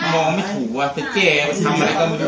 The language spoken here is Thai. มองไม่ถูกว่าเต็ปเก่วว่าทำอะไรก็ไม่ได้